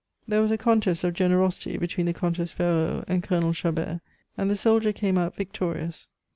There was a contest of generosity between the Comtesse Ferraud and Colonel Chabert, and the soldier came out victorious.